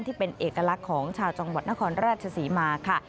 ที่เป็นเอกลักษณ์ของชาวจังหวัดนครราชศรีมาค่ะ